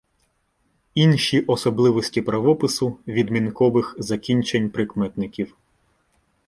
Інші особливості правопису відмінкових закінчень прикметників